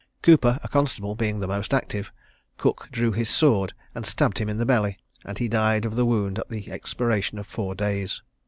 Cooper, a constable, being the most active, Cook drew his sword and stabbed him in the belly, and he died of the wound at the expiration of four days.